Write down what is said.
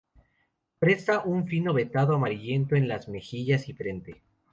Presenta un fino veteado amarillento en las mejillas y frente.